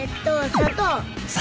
砂糖！？